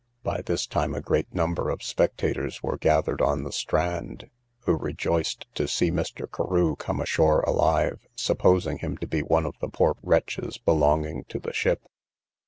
By this time a great number of spectators were gathered on the strand, who rejoiced to see Mr. Carew come ashore alive, supposing him to be one of the poor wretches belonging to the ship.